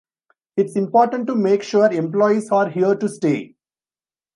It's important to make sure employees are here to stay.